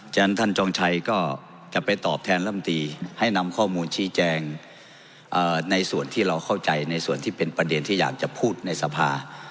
ฉะนั้นท่านจองชัยก็จะไปตอบแทนลำตีให้นำข้อมูลชี้แจงในส่วนที่เราเข้าใจในส่วนที่เป็นประเด็นที่อยากจะพูดในสภา